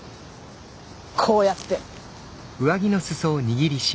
こうやって。